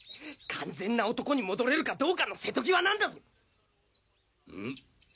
完全な男に戻れるかどうかの瀬戸際なんだぞん？